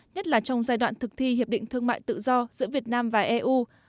nhất là trong giai đoạn thực thi hiệp định thương mại tự do giữa việt nam và eu